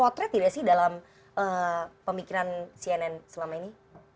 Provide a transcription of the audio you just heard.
potret tidak sih dalam pemikiran cnn selama ini